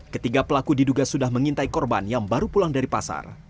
ketiga pelaku diduga sudah mengintai korban yang baru pulang dari pasar